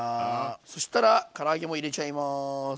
そしたらから揚げも入れちゃいます。